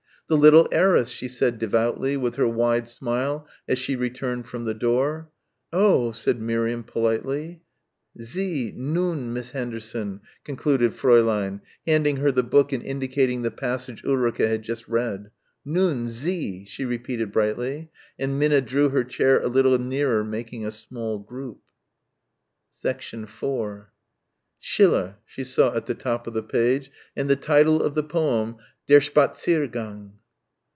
"The little heiress," she said devoutly, with her wide smile as she returned from the door. "Oh ..." said Miriam politely. "Sie, nun, Miss Henderson," concluded Fräulein, handing her the book and indicating the passage Ulrica had just read. "Nun Sie," she repeated brightly, and Minna drew her chair a little nearer making a small group. 4 "Schiller" she saw at the top of the page and the title of the poem "Der Spaziergang."